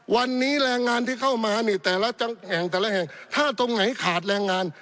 วันนี้แรงงานที่เข้ามานี่แต่ละจังหวัดแห่งแต่ละแห่งถ้าตรงไหนขาดแรงงาน